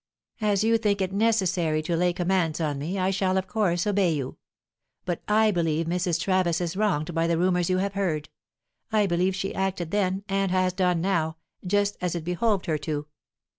"As you think it necessary to lay commands on me, I shall of course obey you. But I believe Mrs. Travis is wronged by the rumours you have heard; I believe she acted then, and has done now, just as it behoved her to."